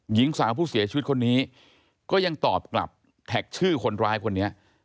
หญิงสาวผู้เสียชีวิตคนนี้ก็ยังตอบกลับแท็กชื่อคนร้ายคนนี้